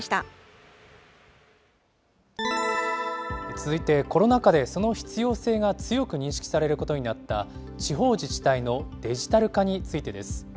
続いて、コロナ禍でその必要性が強く認識されることになった、地方自治体のデジタル化についてです。